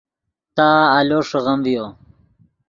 تا آلو ݰیغیم ڤیو